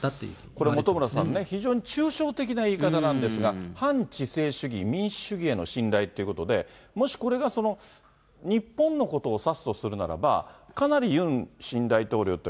これ、本村さんね、非常に抽象的な言い方なんですが、反知性主義、民主主義への信頼ということで、もしこれが日本のことを指すとするならば、かなりユン新大統領と